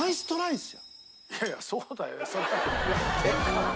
いやいやそうだよ。